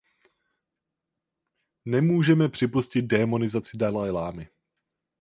Nemůžeme připustit démonizaci dalajlamy.